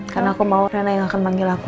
karena aku mau rena yang akan manggil aku